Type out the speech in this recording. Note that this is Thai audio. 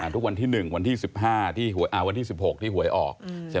ทุกวันที่๑วันที่๑๕วันที่๑๖ที่หวยออก